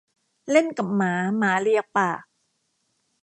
เล่นกับหมาหมาเลียปาก